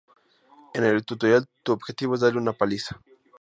En el tutorial tu objetivo es darle una paliza.